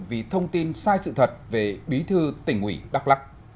vì thông tin sai sự thật về bí thư tỉnh ủy đắk lắc